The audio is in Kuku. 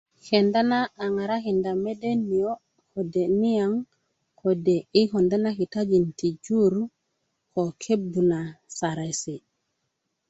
kenda na a ŋarakinda mede niyo kode niyaŋ kode yi konda na kitajin ti jur gbog ko kebu na saresi